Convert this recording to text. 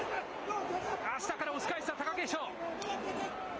下から押し返した、貴景勝。